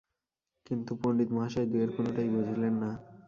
কিন্তু পণ্ডিতমহাশয় দুয়ের কোনোটাই বুঝিলেন না।